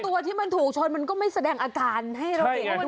ตัวที่มันถูกชนมันก็ไม่แสดงอาการให้เราเห็นว่า